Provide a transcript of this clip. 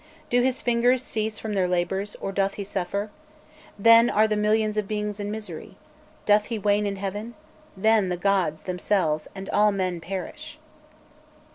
Do his fingers cease from their labours, or doth he suffer? then are all the millions of beings in misery; doth he wane in heaven? then the gods themselves, and all men perish.